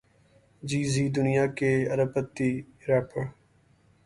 جے Z دنیا کے پہلے ارب پتی ریپر